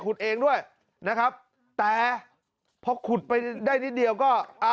ขุดเองด้วยนะครับแต่เพราะขุดไปได้นิดเดียวก็